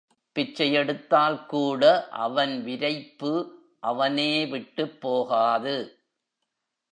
பிச்சையெடுத்தால் கூட அவன் விரைப்பு அவனே விட்டுப் போகாது.